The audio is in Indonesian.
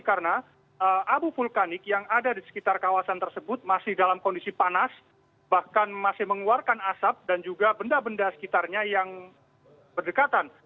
karena abu vulkanik yang ada di sekitar kawasan tersebut masih dalam kondisi panas bahkan masih mengeluarkan asap dan juga benda benda sekitarnya yang berdekatan